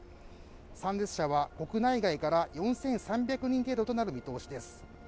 参列者は国内外から４３００人程度となる見通しです